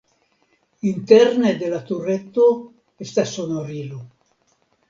Interne de la tureto estas sonorilo.